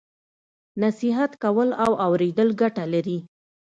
نصیحت کول او اوریدل ګټه لري.